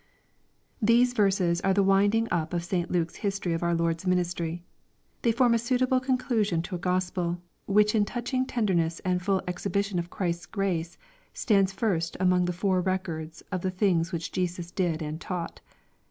These verses are the winding up of St. Luke's history of our Lord's ministry. They form a suitable conclusion to a Gospel, which in touching tenderness and full exhibi tion of Christ's grace, stands first among the four records of the things which Jesus did and taught.